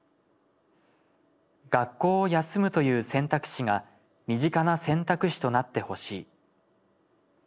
「学校を休むという選択肢が身近な選択肢となって欲しい。